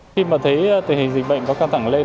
khi mà thấy tình hình dịch bệnh có căng thẳng lên